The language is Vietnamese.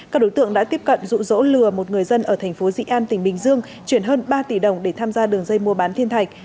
các đối tượng đã tiếp cận rụ rỗ lừa một người dân ở thành phố dị an tỉnh bình dương chuyển hơn ba tỷ đồng để tham gia đường dây mua bán thiên thạch